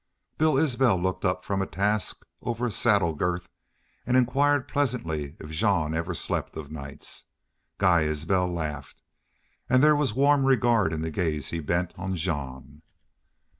Bill Isbel looked up from a task over a saddle girth and inquired pleasantly if Jean ever slept of nights. Guy Isbel laughed and there was warm regard in the gaze he bent on Jean.